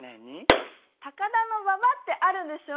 高田馬場ってあるでしょ。